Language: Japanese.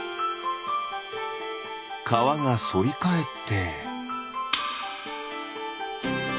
かわがそりかえって。